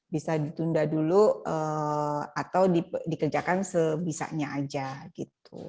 bisa ditunda dulu atau dikerjakan sebisanya aja gitu